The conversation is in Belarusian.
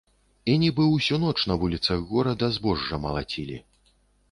І нібы ўсю ноч на вуліцах горада збожжа малацілі.